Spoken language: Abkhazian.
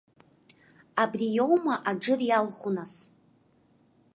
Абри иоума аџыр иалху нас?